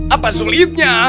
apakah kau ingin membuatnya